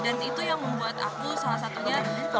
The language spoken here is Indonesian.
dan itu yang membuat aku salah satunya